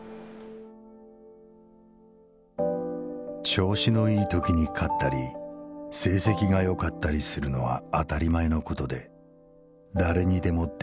「調子のいい時に勝ったり成績が良かったりするのは当り前の事で誰にでも出来る事だ。